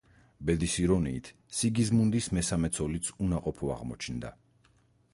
ბედის ირონიით, სიგიზმუნდს მესამე ცოლიც უნაყოფო აღმოაჩნდა.